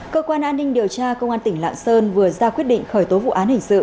cơ quan an ninh điều tra công an tỉnh lạng sơn vừa ra quyết định khởi tố vụ án hình sự